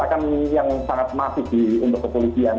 makanya kavori harus menjadikan ini merupakan kebatasan